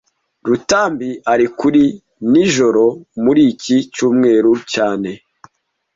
Rutambi ari kuri nijoro muri iki cyumweru cyane